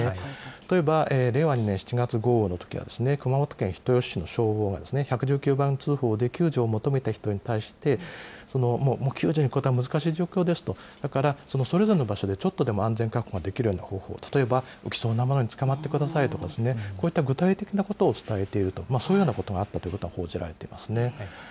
例えば令和２年７月豪雨のときには、熊本県人吉市の消防が、１１９番通報で救助を求めた人に対して、もう救助に行くことは難しい状況ですと、だから、それぞれの場所でちょっとでも安全確保ができる方法、例えば、浮きそうなものにつかまってくださいとかですね、こういった具体的なことを伝えていると、そういうようなことがあったということが報じられていますね。